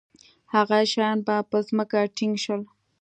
هغه شیان به په ځمکه ټینګ شول.